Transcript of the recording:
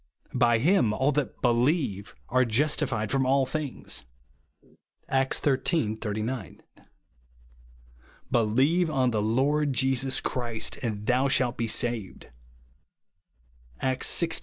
By him all that helierue are justified from all things," (Acts xiii. 89). " Believe on the Lord Jesus Christ, and thou shalt be saved/' (Acts xvi.